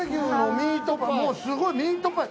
すごいミートパイ。